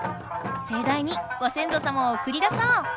せい大にご先祖様をおくり出そう。